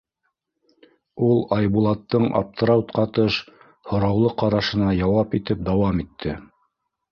— Ул Айбулаттың аптырау ҡатыш һораулы ҡарашына яуап итеп дауам итте.